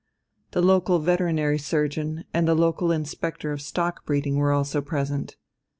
The local veterinary surgeon and the local inspector of stock breeding were also present.